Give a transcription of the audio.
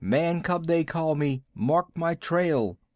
Man cub they call me! Mark my trail!"